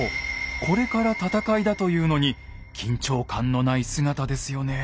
これから戦いだというのに緊張感のない姿ですよね。